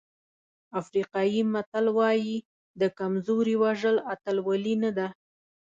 افریقایي متل وایي د کمزوري وژل اتلولي نه ده.